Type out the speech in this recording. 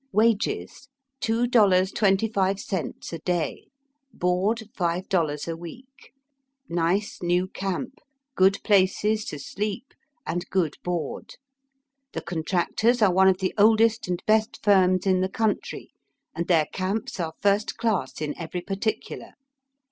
Wages, two dollars twenty five cents a day ; board, five dollars a week. Nice new camp, good places to sleep, and good board. The contractors are one of the oldest and best firms in the country, and their camps are first class in every particular.